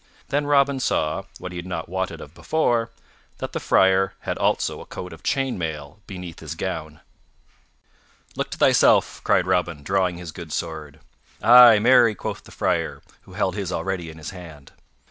Then Robin saw, what he had not wotted of before, that the Friar had also a coat of chain mail beneath his gown. "Look to thyself," cried Robin, drawing his good sword. "Ay, marry," quoth the Friar, who held his already in his hand.